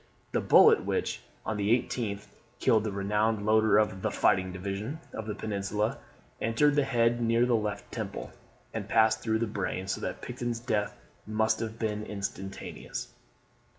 The bullet which, on the 18th, killed the renowned loader of "the fighting Division" of the Peninsula, entered the head near the left temple, and passed through the brain; so that Picton's death must have been instantaneous.